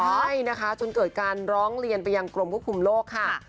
ใช่นะคะจนเกิดการร้องเรียนไปยังกรมควบคุมโลกค่ะ